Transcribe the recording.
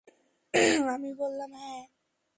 আমি বললাম, হ্যাঁ।